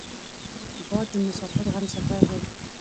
باد د مسافرو همسفر دی